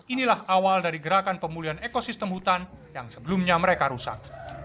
inilah awal dari gerakan pemulihan ekosistem hutan yang sebelumnya mereka rusak